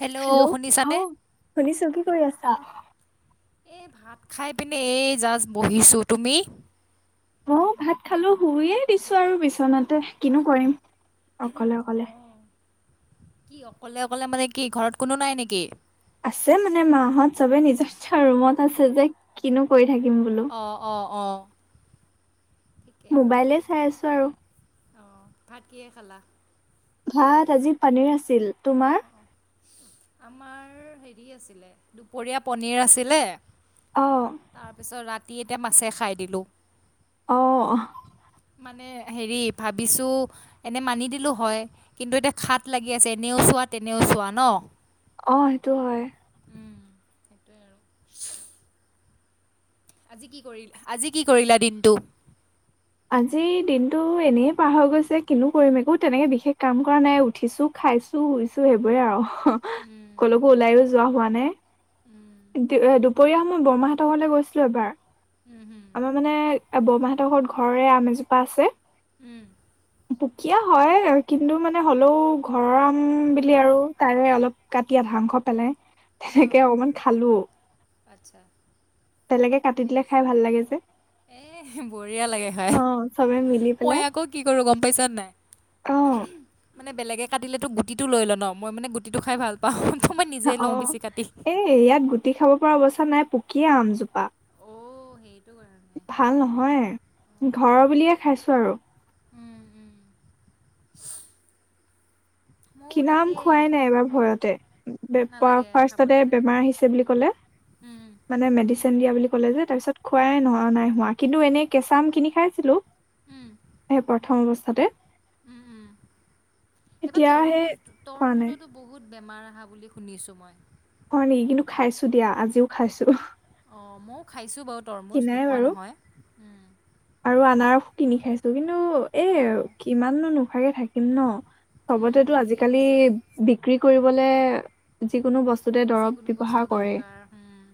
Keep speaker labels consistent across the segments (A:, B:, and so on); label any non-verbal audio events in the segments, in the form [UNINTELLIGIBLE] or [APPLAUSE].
A: Hello শুনিছা নে?
B: শুনিছোঁ কি কৰি আছা?
A: এই ভাত খাই পিনে এই জাষ্ট বহিছোঁ তুমি?
B: অহ ভাত খালো শুইয়ে দিছো আৰু বিচনাতে কিনো কৰিম অকলে অকলে
A: অঁ কি অকলে অকলে মানে কি ঘৰত কোনো নাই নেকি?
B: আছে মানে মা হত চবে নিজ ৰুমত আছে যে কিনো কৰি থাকিম বোলো
A: অহ অহ অহ
B: মোবাইলে চাই আছো বাৰু
A: অহ ভাত কিহে খালা?
B: ভাত আজি পনীৰ আছিল তোমাৰ
A: আমাৰ হেৰি আছিলে দুপৰীয়া পনীৰ আছিলে
B: অ
A: তাৰপিছত ৰাতি ৰাতি এতিয়া মাছে খাই দিলোঁ
B: অহ
A: মানে হেৰি ভাবিছো এনে মানি দিলো হয় কিন্তু এতিয়া খাট লাগি আছে এনেও চোৱা তেনেও চোৱা নহ
B: অহ সেইটো হয়
A: [UNINTELLIGIBLE] আজি কি কৰিল আজি কি কৰিলা দিনটো?
B: আজি দিনতটো এনেই পাৰ হৈ গৈছে কিনো কৰিম একো তেনেকে বিশেষ কাম কৰা নাই উঠিছো খাইছো শুইছো সেইবোৰে আৰু কলকো ওলায়ো যোৱা হোৱা নাই এহ দুপৰীয়া মই বৰমাহতৰ ঘৰলে গৈছিলো এবাৰ আমাৰ মানে বৰমাহঁতৰ ঘৰত ঘৰৰে আম এজোপা আছে
A: উম
B: সুকীয়া হয় কিন্তু মানে হ'লেও ঘৰৰ আম বুলি আৰু তাৰে অলপ কাটিয়া [UNINTELLIGIBLE] পেলাই তেনেকে অকণমান খালোঁ দিলে খাই ভাল লাগে যে
A: [UNINTELLIGIBLE] এহ বঢ়িয়া লাগে খাই
B: অ চবে মিলি
A: মই
B: পেলাই
A: আকৌ কি কৰো গম পাইছা নাই
B: অ
A: মানে বেলেগে কাটিলেতো গুটিটো লয় নহ, মই মানে গুটিটো খাই ভাল পাওঁ তো মই নিজে লওঁ
B: অঁ
A: বেছি কাটি
B: এ ইয়াত গুটি খাব পৰা অৱস্থা নাই পুকিয়ে আমজোপা।
A: অঁ সেইটো ক
B: ভাল নহয়, ঘৰৰ বুলিয়ে খাইছো আৰু।
A: উম- উম। ময়ো
B: কিনা আম
A: তাকেই
B: খোৱাই নাই এবাৰ ভয়তে।
A: নালাগে খাব
B: ফাৰ্ষ্টতে
A: নালাগে।
B: বেমাৰ আহিছে বুলি ক'লে
A: উম,
B: মানে মেডিচিন দিয়া বুলি ক'লে যে, তাৰপিছত খোৱাই ন নাই হোৱা, কিন্তু এনেই কেঁচা আম কিনি খাইছিলোঁ।
A: উম,
B: এই প্ৰথম বচ তাতে
A: উম- উম, এবাৰ
B: এতিয়া
A: তৰ
B: সেই খোৱা নাই।
A: বেমাৰ অহা বুলি শুনিছোঁ মই।
B: হয় নেকি, কিন্তু খাইছো দিয়া আজিও খাইছো।
A: অঁ মইও খাইছো বাও তৰমুজ
B: কিনাই
A: নোখোৱা
B: বাৰু
A: নহয়। উম।
B: আৰু আনাৰস কিনি খাইছো, কিন কিন্তু এ
A: অ'
B: কিমাননো নোখাৱাকে থাক ইম ন।
A: উম,
B: ছবতেতো
A: ঠিকে
B: আজিকালি
A: কৈছা।
B: বিক্ৰী কৰি বোলে, যিকোনো বচ টোতে দৰব
A: যিকোনো বস্তু
B: ব্যৱহাৰ কৰে,
A: দৰকাৰ উম,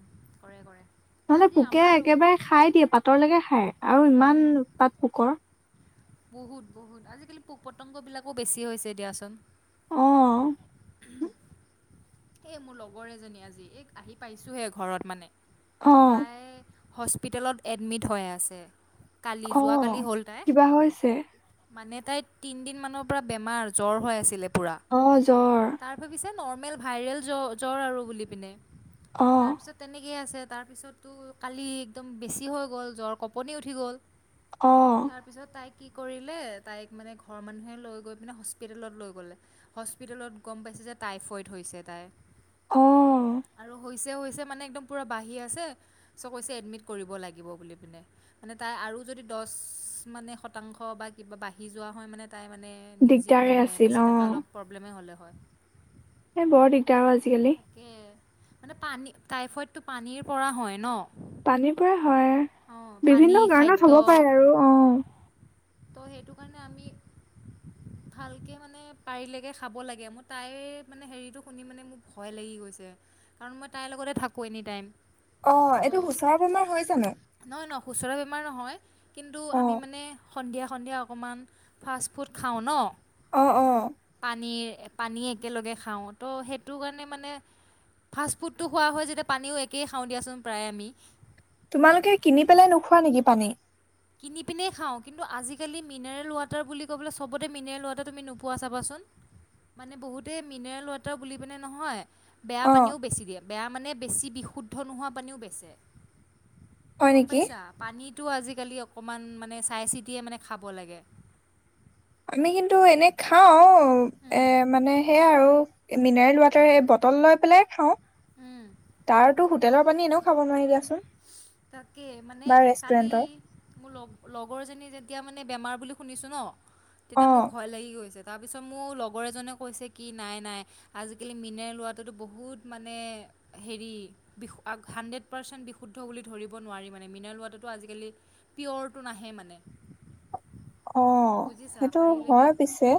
A: কৰে কৰে
B: নহ'লে
A: আজি
B: পোকে
A: আমাৰো
B: একেবাৰে খাই দিয়ে পাতৰলৈকে খায়। আৰু ইমান
A: উম,
B: পাট পোকৰ।
A: বহুত- বহুত আজিকালি পোক পতংগ বিলাকো বেছি হৈছে দিয়াচোন।
B: অঁ।
A: এ মোৰ লগৰ এজনী আজি, এই আহি পাইছোহে ঘৰত মানে।
B: অ
A: তাইয়ে হস্পিতেলত এডমিট হৈ আছে। কালি
B: অঁ
A: যোৱাকালি হ'ল তাই
B: কিবা হৈছে।
A: মানে তাই তিনদিন মানৰ পৰা বেমাৰ জ্বৰ হৈ আছিলে। পুৰা,
B: অ জ্বৰ
A: তাৰ ভাবিছে নৰ্মেল ভাইৰেল জ্ব জ্বৰ আৰু বুলি পিনে।
B: অ',
A: তাৰপিছত তেনেকেই আছে। তাৰপিছততো কালি একদম বেছি হৈ গ'ল জ্বৰ কপনি উঠি গ'ল।
B: অঁ।
A: তাৰপিছত তাই কি কৰিলে তাইক মানে ঘৰৰ মানুহে লৈ গৈ পিনে হস্পিতেেলত লৈ গ'লে হস্পিতেলত গম পাইছে যে টাইফইড। থৈছে তাই
B: অ',
A: আৰু হৈছে ছে মানে একদম পূৰা বাঢ়ি আছে চ' কৈছে এডমিট কৰিব লাগিব বুলি পিনে মানে তাই আৰু যদি দচ মানে শতাংশ বা কিবা বাঢ়ি যোৱা হয় মানে তাই মানে নিজি
B: দিগদাৰে
A: মানে
B: আছিল
A: বাচি থাকা অলপ প্ৰব্লেমেই হ'লে হয়। হয়।
B: এ বৰ দিগদাৰ অ আজিকালি।
A: মানে পানী টাইফইড টো পানীৰ পৰা হয় ন।
B: পানীৰ পৰাই হয়
A: অঁ পানী
B: বিভিন্ন কাৰণত হ'ব পাৰে আৰু অঁ।
A: ত সেইটো কাৰণে আমি ভালকে মানে পাৰিলেকে খাব লাগে মোৰ তাই মানে হেৰিটো শুনি মানে মোৰ ভয় লাগি গৈছে কাৰণ মই তাইৰ লগতে থাকোঁ এনি টাইম।
B: অ
A: তো
B: এইটো খুচৰা বেমাৰ হৈ জানো?
A: আমাৰ নহয় কিন্তু আমি
B: অ',
A: মানে সন্ধিয়া সন্ধিয়া অকণমান ফাষ্ট ফুড খাওঁ ন।
B: অ', অ',
A: পানীৰ পানী একেলগে খাওঁ ত' সেইটো কাৰণে মানে ফাষ্ট ফুডটো খোৱা হয় যেতিয়া পানীও একেই খাওঁ দিয়াচোন প্ৰায়ে আমি।
B: তোমালোকে কিনি পেলে নোখোৱা নেকি পানী?
A: কিনি পিনে খাওঁ কিন্তু আজিকালি মিনাৰেল ৱাটাৰ বুলি ক'ব পেলে চবতে মিনাৰেল ৱাটাৰ তুমি নোপোৱা চাবাচোন মানে বহুতে মিনাৰেল ৱাটাৰ বুলি পিনে নহয় বেয়া
B: অ',
A: পানীও বেচি দিয়ে। বেয়া মানে বেছি বিশুদ্ধ নোহোৱা পানীও বেচে।
B: হয়
A: গম
B: নেকি?
A: পাইছা পানীত [UNINTELLIGIBLE] আজিকালি অকণমান মানে চাই চিতিয়ে মানে খাব লাগে।
B: আমি কিন্তু এনে খাও অ এ মানে সেয়াই আৰু মিনাৰেল ৱাটাৰ বটল লৈ পেলাই খাওঁ। তাৰতো হোটেলৰ পানী এনেও খাব নোৱাৰি দিয়া চোন।
A: তাকে মানে কালি মোৰ লগ লগৰজনী যেতিয়া মানে বেমাৰ বুলি শুনিছোঁ ন তেতিয়া মোৰ
B: অ',
A: ভয় লাগি গৈছে। তাৰপিছত মোৰ লগৰ এজনে কৈছে কি নাই নাই আজিকালি মিনাৰেল ৱাটাৰটো বহুত মানে হেৰি হাণ্ড্ৰেড পাৰ্চেণ্ট বিশুদ্ধ বুলি ধৰিব নোৱাৰি মানে মিনাৰেল ৱাটাৰটো আজিকালি পিৱৰটো নাহে মানে।
B: অঁ
A: বুজিছা
B: সেইটো
A: পাৰিলেকে
B: হয় পিছে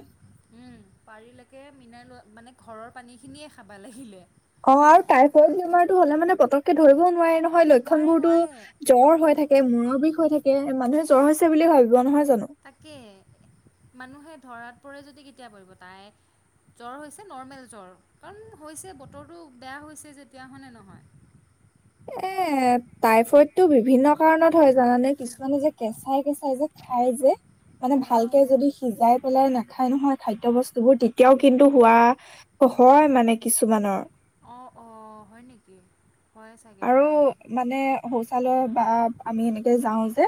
A: উম পাৰিলেকে মিনাৰেল, মানে ঘৰৰ পানীখিনিয়ে খাবা লাগিলে।
B: অঁ আৰু টাইফইদ বেমাৰতটো হলে মানে পতককে ধৰিবও নোৱাৰি হয়, লক্ষণ
A: নোৱাৰে
B: বোৰতো
A: নোৱাৰে
B: জ্বৰ হৈ থাকে, মূৰৰ বিষ হৈ থাকে। এ মানুহে জ্বৰ হৈছে বুলি ভাবিব, নহয় জানো
A: তাকে মানুহে ধৰাত পৰে যদি কেতিয়া পৰিব, তাই জ্বৰ হৈছে নৰ্মেল জ্বৰ কাৰণ হৈছে, বতৰটো বেয়া হৈছে যেতিয়া, হয়নে নহয়।
B: এ টাইফইড টো বিভিন্ন কাৰণত হয় জানানে কিছুমানে যে কেঁচাই কেচাই যে খাই যে। মানে ভালকে
A: অঁ
B: যদি সিজাই পেলাই নাখায় নহয় খাদ্য় বস্তু বোৰ, তেতিয়াও কিন্তু হোৱা হয় মানে কিছুমানৰ।
A: অ'অ হয় নেকি? হয় চাগে
B: আৰু
A: দিয়া
B: মানে শৌচালয় বা আমি এনেকে যাও যে,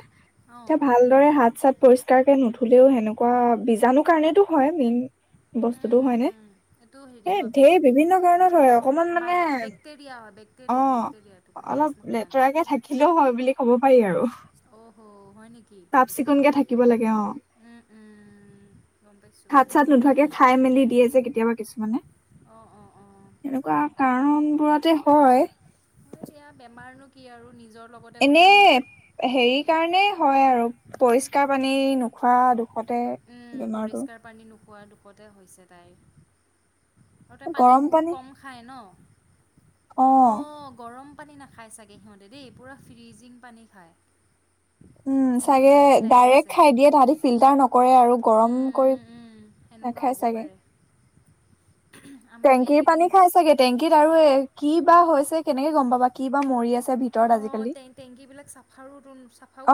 A: অঁ
B: এতিয়া ভালদৰে হাত চাত পৰিষ্কাৰকে নুধুলেও সেনেকুৱা, বীজাণু কাৰণেতো হয়, মেইন
A: উম,
B: বস্তুতটো।
A: উম,
B: ‌হয়নে
A: উম। এইটো হেৰি
B: সেই
A: হয় বেক
B: ঢেৰ বিভিন্ন কাৰণত হয় অকমান মানে,
A: বাইক বেক্টেৰিয়া হয় বেক্টেৰিয়া
B: অঁ
A: বেক্টেৰিয়াটো ভাইৰাছ
B: অলপ
A: নহয় মানে
B: লেতেৰাকে থাকিলেও হয় বুলি ক'ব হয় আৰু,
A: অ' হ' হয় নেকি
B: চাফ চিকুণকে থাকিব লাগে অ,
A: উম, উম, গম পাইছোঁ
B: হাত
A: গম
B: চাত
A: পাইছোঁ
B: নোধোৱাকে খাই মেলি দিয়ে যে কেতিয়াবা কিছুমানে,
A: অঁ অঁ অঁ
B: এনেকুৱা কাৰনবোৰতে হয়।
A: অ দিয়া বেমাৰনো কি আৰু নিজ
B: এনে হেৰি কাৰণে হয় আৰু, পৰিষ্কাৰ পানেই ন খোৱা [UNINTELLIGIBLE] ষতে বেমাৰটো
A: খোৱাৰ দুপতে হৈছে তাইৰ। আৰু পানী বহুত কম খায় ন,
B: অ
A: অঁ গৰম পানী নাখায় চাগে সিহঁতে দেই, পুৰা ফ্ৰিজিং পানী খায়।
B: উম
A: মোৰ
B: চাগে
A: সেইটোৱে
B: ডাইৰেক্ট
A: লাগিছে।
B: খাই দিয়ে তাহাঁতি ফিল্টাৰ নকৰে আৰু গৰম
A: উম,
B: কৰি
A: উম, উম, সেনেকুৱা
B: নাখায়
A: হ'ব
B: চাগে
A: পাৰে। আমাৰতো
B: টেংকিৰ
A: এইকেইদিন
B: পানী খাই চাগে, টেংকিত আৰুৱে কি বা হৈছে কেনেকে গম পাবা, কি বা মৰি আছে ভিতৰত
A: অঁ
B: আজিকালি
A: টেংকীবিলাক চাফাৰো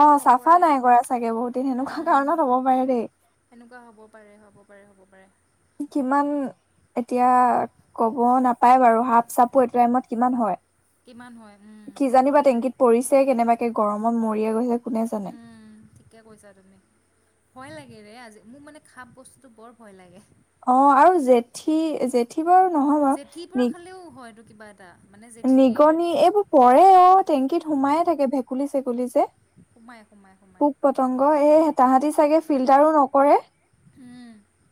B: অ চাফা
A: নকৰে,
B: নাই কৰা চাগে বহুত দিন সেনেকুৱা
A: ওম'
B: কাৰণত হ'ব পাৰে দেই
A: সেনেকুৱা হ'ব পাৰে, হ'ব পাৰে, হ'ব পাৰে
B: কিমান এতিয়া ক'ব নাপায় বাৰু হাত হয়
A: কিমান হয়, উম,
B: [UNINTELLIGIBLE] কি জানিব
A: সেইটোৱে।
B: কি পৰিছে [UNINTELLIGIBLE] এ' গৰমত মৰিয়ে [UNINTELLIGIBLE]
A: উম ঠিকে কৈছা তুমি ভয় লাগে হেৰে আজি মোৰ মানে খাপ বস্তুতটো বৰ ভয় লাগে।
B: অ আৰু জেঠী জেঠী বাৰু নহয় বাৰু
A: জেঠীৰ
B: নি
A: পৰা খালেও হয় [INAUDIBLE]
B: নিগনি এইবোৰ পৰে অ টেংকিত সোমায়ে থাকে ভেকুলী চেকুলী
A: সোমাই, সোমাই, সোমাই।
B: পোক পতংগ এই হেতাহতি চাগে ফিল্টাৰো নকৰে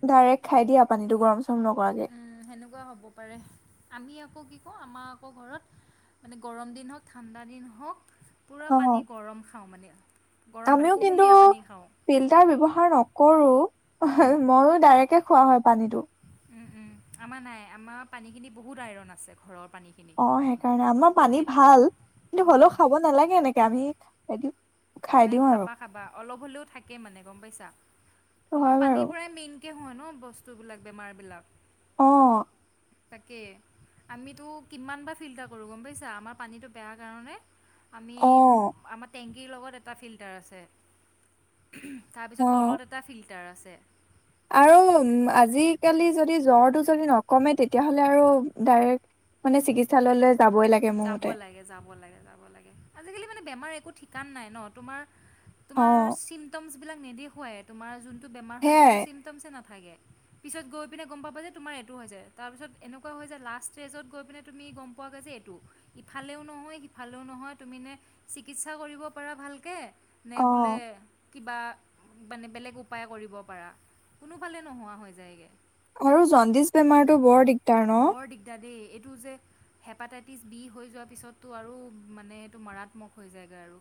B: ডাইৰেক্ খাই দিয়ে পানীটো চৰম নকৰাকে
A: উম সেনেকুৱা হব পাৰে আমি আকৌ কি আকৌ আমাৰ আকৌ ঘৰত মানে গৰম দিন হওক ঠাণ্ডা দিন হওক পূৰা
B: অ
A: পানী গৰম খাওঁ মানে গৰম পানী
B: আমিও কিন্তু
A: কুহুমীয়া পানী খাওঁ
B: ফিল্টাৰ ব্যৱহাৰ নকৰো
A: উম,
B: মইও ডাইৰেক্ট খোৱা
A: উম উম! আমাৰ নাই আমাৰ পানীখিনি বহুত আইৰণ আছে ঘৰত।
B: অ সেইকাৰণে আমাৰ পানী ভাল কিন্তু হলেও
A: অঁ
B: খাব নালাগে এনেকে আমি খাই
A: নাই
B: দিওঁ আৰু
A: খাবা খাবা অলপ হলেও থাকে মানে গম পাইছা? আৰু
B: হয় বাৰু
A: পানীৰ পৰাই মেইন! কে হয় ন বস্তুবিলাক বেমাৰবিলাক
B: অ'
A: তাকে আমিতো কিমানবাৰ ফিল্টাৰ কৰোঁ গম পাইছা আমাৰ পানীটো বেয়া কাৰণে! আমি
B: অ
A: আমাৰ তেংক কি লগত এ এটা ফিল্টাৰ আছে।
B: অ
A: তাৰপিছত তলত এটা ফিল্টা তাৰ আছে।
B: আৰু আজিকালি যদি জ্বৰটো যদি নকমে তেতিয়াহ'লে আৰু ডাইৰেক্ট মানে চিকিৎসালয়লৈ যাবই লাগে মোৰ
A: যাব
B: মতে
A: লাগে যাব লাগে যাব লাগে আজিকালি মানে বেমাৰ একো ঠিকান নাই ন তোমাৰ
B: অ
A: তোমাৰ চিমটম বিলাক নেদেখুৱাই তোমাৰ যোন বেমাৰ হয় সেটো
B: সেয়াই
A: চিমটমে ন থাকে। পিছত গৈ পিনে গম পাবা যে তোমাৰ এইটো হৈছে তাৰ পিছত এনেকুৱা হৈছে যে লাষ্ট ষ্টেজত গৈ পিনে তুমি গম পোৱা গৈ যে এইটো। ইফালেও নহয় সিফালেও নহয় তুমি নে চিকিৎসা কৰিব পাৰা ভালকে নে
B: অ
A: বোলে কিবা
B: আৰু জণ্ডিচ বেমাৰতটো বৰ দিগদাৰ ন?
A: বৰ দিগদাৰ দেই এইটো যে হেপাটাই টিছ বি হৈ যোৱাৰ পিছতো আৰু মানে, এইটো মাৰাত্মক হৈ যায়গৈ আৰু।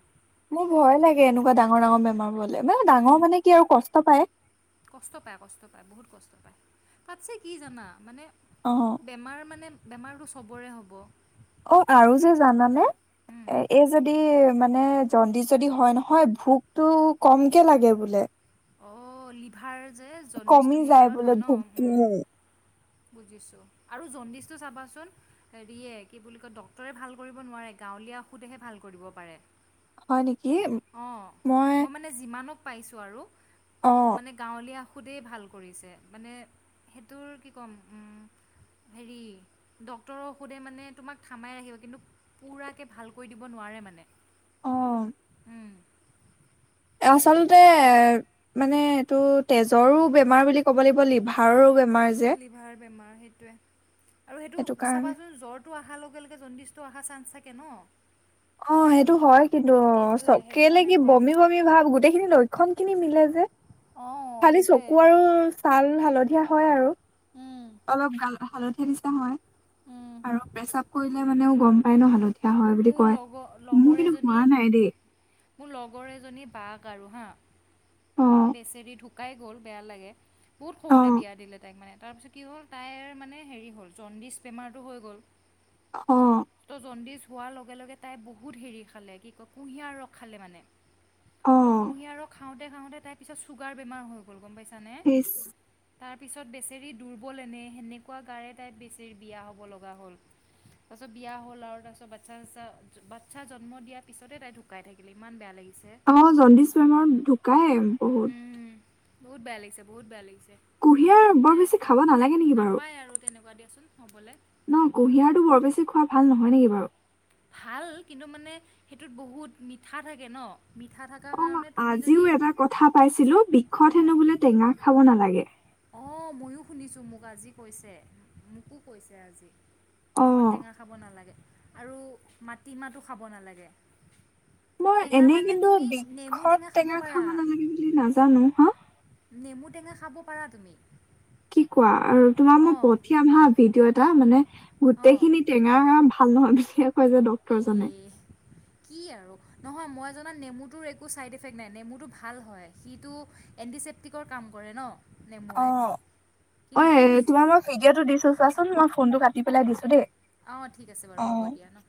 B: মোৰ ভয়ে লাগে! এনেকুৱা ডাঙৰ, ডাঙৰ বেমাৰ বোৰ [UNINTELLIGIBLE] ডাঙৰ মানে কি আৰু কষ্ট পায়।
A: কষ্ট পায় কষ্ট পায় বহুত কষ্ট পায় তাতছে কি জানা মানে
B: অ
A: বেমাৰ মানে বেমাৰটো চবৰে হ'ব।
B: অ', আৰু যে জানানে এ যদি মানে জণ্ডিছ যদি হয় নহয়, ভোকটো কমকে লাগে বোলে।
A: অ', লিভাৰ যে
B: কমি
A: জণ্ডিছটো
B: যায়
A: লিভাৰত
B: বোলে
A: হয়
B: ভোকটো
A: ন। বুজিছো আৰু জণ্ডিচটো চাবাচোন হেৰিয়ে কি বুলি কয় ডাক্তৰয়ে ভাল কৰিব নোৱাৰে, গাঁৱলীয়া ঔষুধেহে ভাল কৰিব পাৰে।
B: হয় নিকি,
A: অঁ
B: মই
A: মানে যিমানক পাইছোঁ আৰু
B: অ
A: মানে গাঁৱলীয়া সুধি ভাল কৰিছে মানে সেইটোৰ কি ক'ম হেৰি ডাক্তৰ ক সুধে মানে তোমাক থামাই ৰাখিব কিন্তু পুৰাকৈ ভাল কৰি দিব নোৱাৰে মানে।
B: অ',
A: উম,
B: তেওঁ আচলতে এ মানে এইটো তেজৰো বেমাৰ বুলি ক'ব লাগিব লিভাৰো বে
A: লিভাৰ বেমাৰ সেইটোয়ে আৰু সেইটো চাবাচোন জ্বৰটো অহাৰ লগে জণ্ডিছ টো আহাৰ চান্স থাকে ন।
B: অ', সেইটো হয় কিন্তু চ
A: সেইটোৱে সেইটো
B: কেলে
A: কাৰণে
B: কি
A: ভয়
B: বমি
A: লাগে
B: বমি ভাব গোটেইখিনি লক্ষণ খিনি মিলে যে।
A: অঁ
B: খালি
A: সেইটোৱে
B: চকু আৰু ছাল হাল দিয়া হয় আৰু।
A: উম,
B: অলপ কান [UNINTELLIGIBLE] হেৰি নিছিনা হয়। আৰু প্ৰেচাপ কৰিলে মানেও গম পাই ন হিহত ধা হয় বুলি কয়।
A: লগ লগৰ এজনী
B: নাই দেই।
A: মোৰ লগৰ এজনী বাঘ কাৰোঁ হা।
B: অ',
A: বেচেৰি ধু ঢুকাই গ'ল বেয়া লাগে। বহুত সৰুতে
B: অ',
A: বিয়া দিলে তাইক মানে। তাপিছত কি হ'ল তাইৰ মানে হেৰি হ'ল জণ্ডিচ বেমাৰটো হৈ গ'ল। ত' জণ্ডিছ। হোৱাৰ লগে লগে তাই বহুত হেৰি খালে, কি কয় কুঁহিয়াৰ ৰস খালে মানে। টো
B: অ',
A: কুঁহিয়াৰ খাওঁতে খাওঁতে তাৰ পিছত চুগাৰ বমাৰ হৈ গ'ল গম পাইছে
B: হিছ
A: তাৰপিছত, বেচেৰি দুৰ্বল এনে, সেনেকুৱা গাৰে তাই বেচেৰি বিয়া হ'ব লগা হ'ল। তাৰপিছত বিয়া হ'ল আৰু তাৰপিছত [UNINTELLIGIBLE] বাচ্ছা জন্ম দিয়াৰ পিছতে তাই ঢুকাই থাকিলে। ইমান বেয়া লাগিল!
B: অ'! জণ্ডিচ বেমাৰত ঢুকাই। বহুত!
A: বহুত বেয়া লাগিছে, বহুত বেয়া লাগিছে!
B: কুঁহিয়াৰ বৰ
A: মানে
B: বেছি খাব নালাগে নেকি বাৰু?
A: নাপায় আৰু [UNINTELLIGIBLE]
B: ন' কুঁহিয়াৰটো বৰ বেছি খোৱা ভাল নহয় নেকি বাৰু?
A: ভাল! কিন্তু মানে, সেইটোত বহুত মিঠা থাকে ন'। মিঠা থকাৰ
B: অ'!
A: কাৰণে তুমি
B: আজিও
A: যদি
B: এটা কথা পাতিছিলোঁ, বিষত
A: অঁ
B: হেনোঁ বোলে টেঙা খাব নালাগে।
A: অঁ! ময়ো শুনিছোঁ, মোক আজি কৈছে, মোকো কৈছে আজি। বিষত
B: অ',
A: টেঙা খাব নালাগে। আৰু মাটিমাহটো খাব নালাগে।
B: মই
A: টেঙা
B: এনেই
A: মানে
B: কিন্তু,
A: তুমি নেমু
B: বিষত টেঙা খাব
A: পাৰা
B: নালাগে বুলি নাজানো। হা!
A: নেমু টেঙা খাব পাৰা তুমি।
B: কি কোৱা আৰু তোমাক মই
A: অঁ
B: পঠিয়াম হা ভিডিঅ' তেওঁ মানে, গোটেই
A: অঁ
B: খিনি টেঙা ভাল নহয় বুলিয়ে কৈ যে ডক্তৰজনে।
A: ইয়ে কি আৰু নহয় মই জনা নেমুটোৰ একো ছাইড এফেক্ট নাই। নেমুটো ভাল হয় সিটো এণ্টিচেপ্টিকৰ কাম কৰে ন'। নেমুৰে
B: অ'! অই
A: কিন্তু
B: তোমাক মই ভিডিঅ'টো দিছো চোৱাচোন মই ফোনটো কাটি কাটি পেলাই দিছোঁ দেই।
A: অ'! ঠিক আছে বাৰু
B: অ'।
A: হ'ব দিয়া ন'।